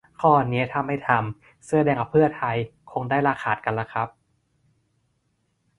ข้อนี้ถ้าไม่ทำ เสื้อแดงกับเพื่อไทย คงได้ลาขาดกันล่ะครับ